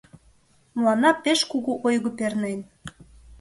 Мыланна пеш кугу ойго пернен.